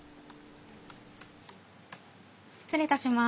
失礼いたします。